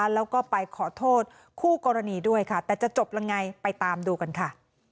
แล้วก็ไปขอโทษคู่กรณีด้วยค่ะแต่จะจบยังไงไปตามดูกันค่ะ